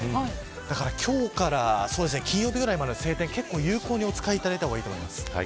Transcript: だから今日から金曜日ぐらいまでの晴天を、有効にお使いいただいた方がいいと思います。